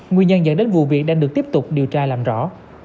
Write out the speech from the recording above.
nguyên nhân dẫn đến vụ việc đang được tiếp tục điều tra làm rõ